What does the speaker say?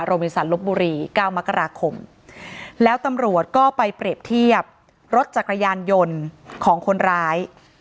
บินสันลบบุรี๙มกราคมแล้วตำรวจก็ไปเปรียบเทียบรถจักรยานยนต์ของคนร้าย